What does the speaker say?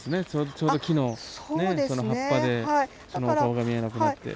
ちょうど木のねこの葉っぱでそのお顔が見えなくなって。